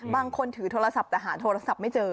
ถือโทรศัพท์แต่หาโทรศัพท์ไม่เจอ